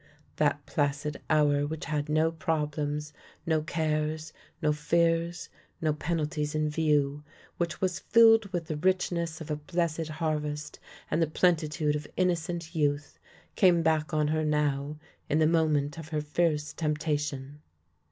That placid hour which had no problems, no cares, no fears, no penalties in view, which was filled with the richness of a blessed harvest and the plenitude of inno cent youth, came back on her now in the moment of her fierce temptation.